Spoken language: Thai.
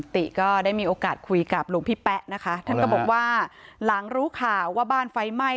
ติก็ได้มีโอกาสคุยกับหลวงพี่แป๊ะนะคะท่านก็บอกว่าหลังรู้ข่าวว่าบ้านไฟไหม้